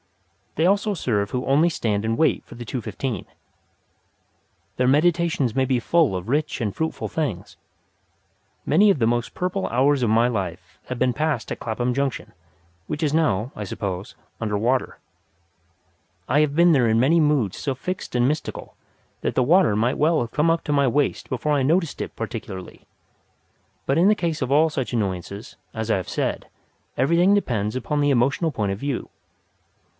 They also serve who only stand and wait for the two fifteen. Their meditations may be full of rich and fruitful things. Many of the most purple hours of my life have been passed at Clapham Junction, which is now, I suppose, under water. I have been there in many moods so fixed and mystical that the water might well have come up to my waist before I noticed it particularly. But in the case of all such annoyances, as I have said, everything depends upon the emotional point of view.